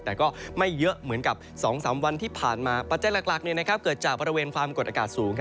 แต่ก็ไม่เยอะเหมือนกับ๒๓วันที่ผ่านมาปัจจัยหลักเกิดจากบริเวณความกดอากาศสูง